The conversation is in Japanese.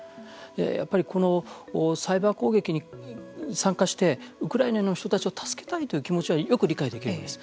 やっぱり、このサイバー攻撃に参加してウクライナの人たちを助けたいという気持ちはよく理解できるんです。